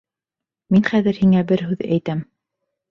Мин хәҙер һиңә бер һүҙ әйтәм.